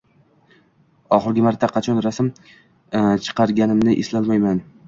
Oxirgi marta qachon rasm chiqartirganimni eslolmayman.